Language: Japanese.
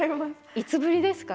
いつぶりですか？